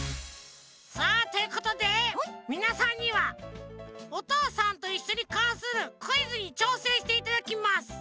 さあということでみなさんには「おとうさんといっしょ」にかんするクイズにちょうせんしていただきます。